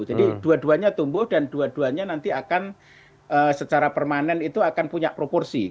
jadi dua duanya tumbuh dan dua duanya nanti akan secara permanen itu akan punya proporsi